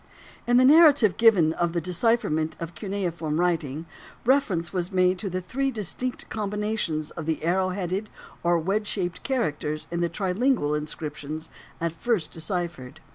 In the narrative given of the decipherment of cuneiform writing reference was made to the three distinct combinations of the arrow headed or wedge shaped characters in the trilingual inscriptions at first deciphered.